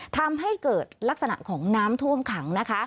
ทำให้เกิดลักษณะของน้ำท่วมขังนะคะ